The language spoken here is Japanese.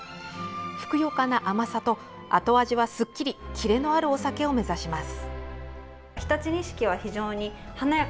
ふくよかな甘さと後味はすっきりキレのあるお酒を目指します。